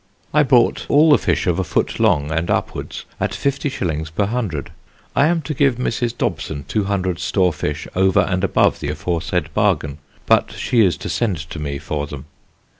I bought all the fish of a foot long and upwards at 50_s._ per C. I am to give Mrs. Dabson 200 store fish, over and above the aforesaid bargain; but she is to send to me for them.